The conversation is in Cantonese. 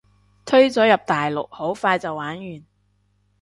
推咗入大陸就好快玩完